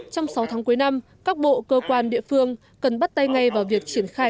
trong sáu tháng cuối năm các bộ cơ quan địa phương cần bắt tay ngay vào việc triển khai